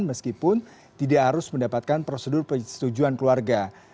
meskipun tidak harus mendapatkan prosedur persetujuan keluarga